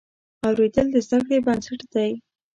اورېدل د زده کړې بنسټ دی.